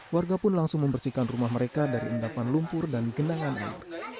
warga pun langsung membersihkan rumah mereka dari endapan lumpur dan genangan air